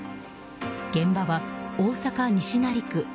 現場は大阪・西成区。